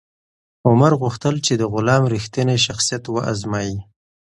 عمر غوښتل چې د غلام رښتینی شخصیت و ازمایي.